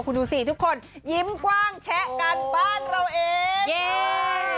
คุณดูสิทุกคนยิ้มกว้างแชะกันบ้านเราเอง